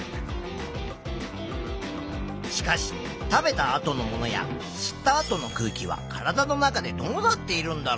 しかし食べたあとのものや吸ったあとの空気は体の中でどうなっているんだろう？